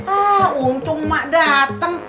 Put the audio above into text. ah untung emak dateng